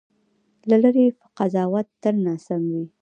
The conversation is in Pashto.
له لرې قضاوت تل ناسم وي.